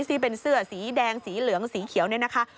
ที่เป็นเสื้อสีแดงสีเหลืองสีเขียวเนี่ยนะคะ